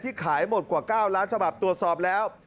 ขายหมดกว่า๙ล้านฉบับตรวจสอบแล้ว